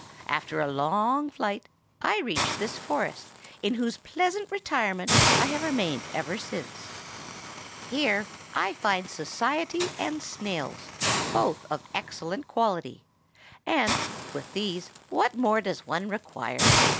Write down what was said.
After a long flight, I reached this forest, in whose pleasant retirement I have remained ever since. Here I find society and snails, both of excellent quality; and, with these, what more does one require?